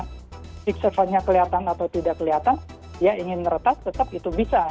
fisik servernya kelihatan atau tidak kelihatan dia ingin retas tetap itu bisa